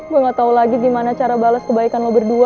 gue gak tau lagi gimana cara balas kebaikan lo berdua